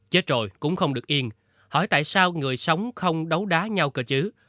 chết rồi cũng không được yên hỏi tại sao người sống không đấu đá nhau cơ chứ